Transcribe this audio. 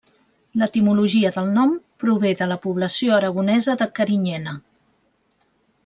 L'etimologia del nom prové de la població aragonesa de Carinyena.